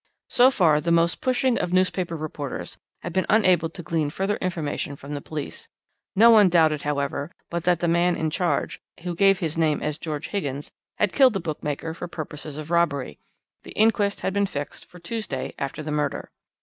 "So far the most pushing of newspaper reporters had been unable to glean further information from the police; no one doubted, however, but that the man in charge, who gave his name as George Higgins, had killed the bookmaker for purposes of robbery. The inquest had been fixed for the Tuesday after the murder.